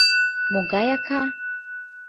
Могай ака?